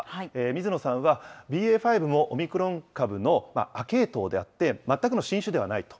水野さんは、ＢＡ．５もオミクロン株の亜系統であって、全くの新種ではないと。